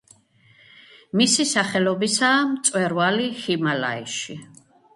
მისი სახელობისაა მწვერვალი ჰიმალაიში.